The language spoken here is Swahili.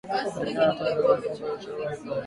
Kushirikisha wataalamu wa mifugo kwa ushauri zaidi